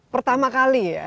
pertama kali ya